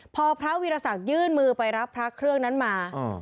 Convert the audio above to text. พอพระวีรศักดิ์ยื่นมือไปรับพระเครื่องนั้นมา